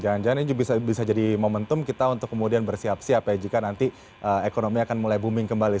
jangan jangan ini bisa jadi momentum kita untuk kemudian bersiap siap ya jika nanti ekonomi akan mulai booming kembali